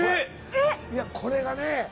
いやこれがね